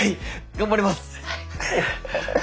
頑張ります！